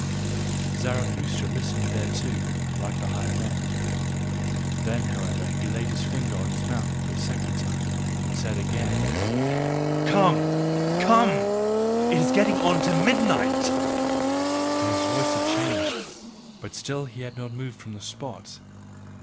Zarathustra listened thereto, like the higher men; then, however, laid he his finger on his mouth the second time, and said again: "COME! COME! IT IS GETTING ON TO MIDNIGHT!" and his voice had changed. But still he had not moved from the spot.